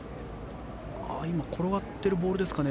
今転がってるボールですかね。